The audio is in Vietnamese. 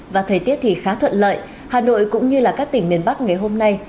và thời tiết thì khá thuận lợi hà nội cũng như các tỉnh miền bắc ngày hôm nay